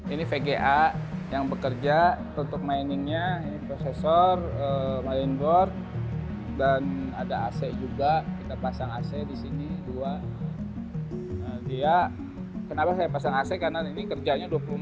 ini vga yang bekerja untuk miningnya ini prosesor mainboard dan ada ac juga kita pasang ac disini dua dia kenapa saya pasang ac karena ini kerjanya dua juta dolar